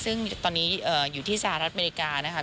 ซึ่งตอนนี้อยู่ที่สหรัฐอเมริกานะคะ